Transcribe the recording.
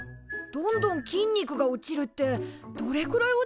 どんどん筋肉が落ちるってどれぐらい落ちちゃうんだろう？